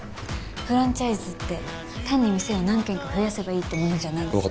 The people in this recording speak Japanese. フランチャイズって単に店を何軒か増やせばいいってものじゃないんです。